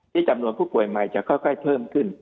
จำนวนผู้ป่วยใหม่จะค่อยเพิ่มขึ้น